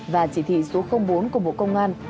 và chỉ thị số bốn của bộ công an